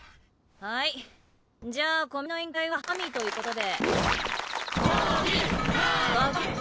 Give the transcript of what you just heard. はいじゃあ古見の委員会は神ということで。